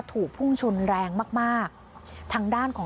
ถูกพุ่งชนแรงมากมากทางด้านของ